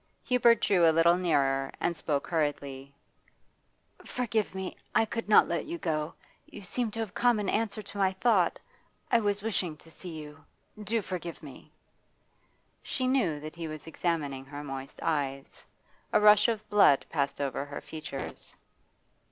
Hubert drew a little nearer and spoke hurriedly. 'Forgive me! I could not let you go. You seem to have come in answer to my thought; I was wishing to see you. Do forgive me!' She knew that he was examining her moist eyes; a rush of blood passed over her features.